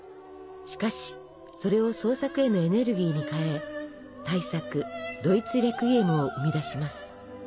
しかしそれを創作へのエネルギーに変え大作「ドイツレクイエム」を生み出します。